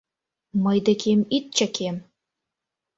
Мый декем ит чакем!